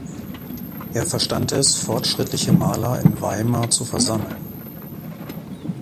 Er verstand es, fortschrittliche Maler in Weimar zu versammeln.